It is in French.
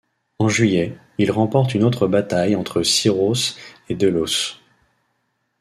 En juillet, il remporte une autre bataille entre Syros et Delos.